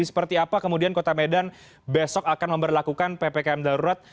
seperti apa kemudian kota medan besok akan memperlakukan ppkm darurat